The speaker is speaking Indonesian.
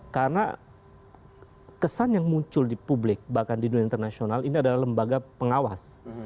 karena kesan yang muncul di publik bahkan di dunia internasional ini adalah lembaga pengawas